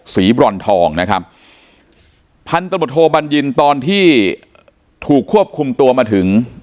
บรอนทองนะครับพันธบทโทบัญญินตอนที่ถูกควบคุมตัวมาถึง